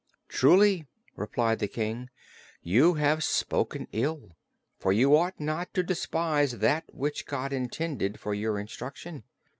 "Truly," replied the King, "you have spoken ill, for you ought not to despise that which God intended for your instruction.